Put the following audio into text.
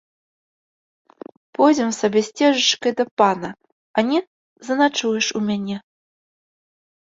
Пойдзем сабе сцежачкай да пана, а не, заначуеш у мяне!